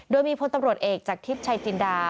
โดยมีพลตำรวจเอกจากทิพย์ชัยจินดา